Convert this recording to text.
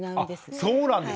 あそうなんですか！